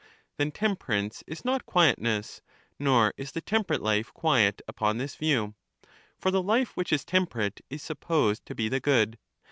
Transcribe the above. Then temperance is not quietness, nor is the tem perate life quiet, upon this view; for the life which is temperate is supposed to be the good.